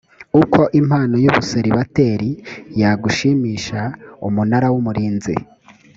uko impano y ubuseribateri yagushimisha umunara w umurinzi